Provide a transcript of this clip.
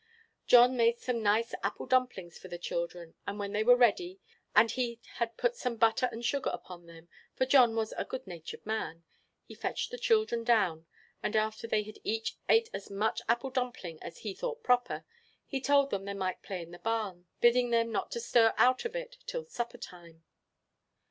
John made some nice apple dumplings for the children, and when they were ready, and he had put some butter and sugar upon them (for John was a good natured man), he fetched the children down; and after they had each ate as much apple dumpling as he thought proper, he told them they might play in the barn, bidding them not to stir out of it till supper time.